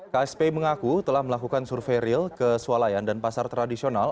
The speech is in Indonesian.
kspi mengaku telah melakukan survei real ke sualayan dan pasar tradisional